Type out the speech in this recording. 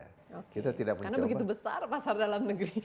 karena begitu besar pasar dalam negeri